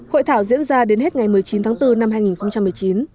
hội thảo diễn ra đến hết ngày một mươi chín tháng bốn năm hai nghìn một mươi chín